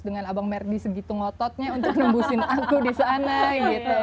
dengan abang merdi segitu ngototnya untuk nungguin aku disana gitu